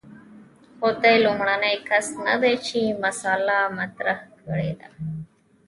خو دی لومړنی کس نه دی چې مسأله مطرح کړې ده.